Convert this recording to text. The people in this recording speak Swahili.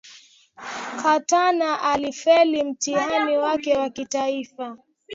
Katana alifeli mtihani wake wa kitaifa